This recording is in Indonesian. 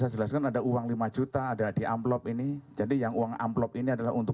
hai tadi saja enggak ada uang lima juta ada diam blok ini jadi yang uang amplop ini adalah untuk